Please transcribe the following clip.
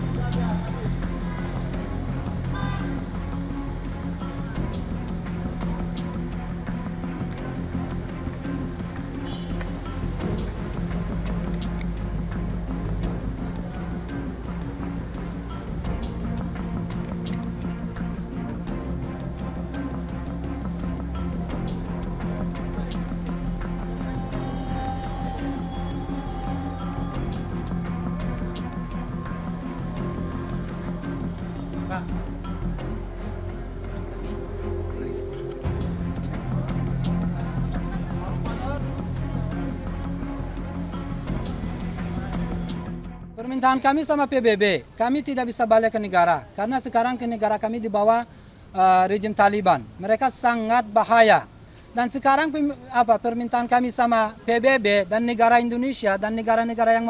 jangan lupa like share dan subscribe ya